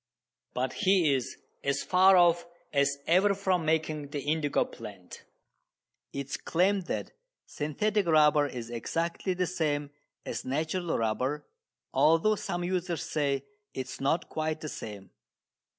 But he is as far off as ever from making the indigo plant. It is claimed that "synthetic" rubber is exactly the same as natural rubber, although some users say it is not quite the same.